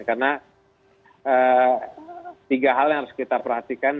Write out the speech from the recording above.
karena tiga hal yang harus kita perhatikan